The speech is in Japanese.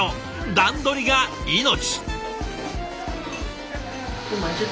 段取りが命！